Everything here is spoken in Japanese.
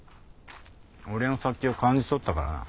俺の殺気を感じ取ったからな。